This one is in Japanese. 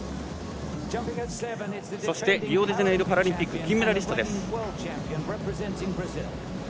そしてリオデジャネイロパラリンピック金メダリストです。